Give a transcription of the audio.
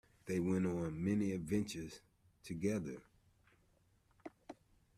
They went on many adventures together.